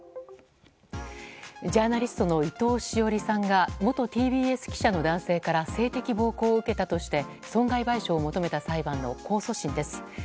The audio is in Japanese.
ジャーナリストの伊藤詩織さんが元ＴＢＳ記者の男性から性的暴行を受けたとして損害賠償を求めた裁判の控訴審です。